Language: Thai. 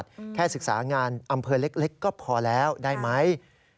แค่ศึกษางานอำเภอเล็กก็พอแล้วได้ไหม